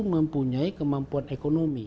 mempunyai kemampuan ekonomi